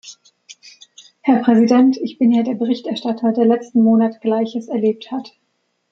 Herr Präsident, ich bin ja der Berichterstatter, der letzten Monat Gleiches erlebt hat.